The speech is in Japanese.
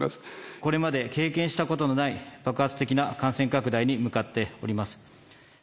これまで経験したことのない爆発的な感染拡大に向かっております。